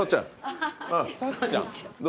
さっちゃん？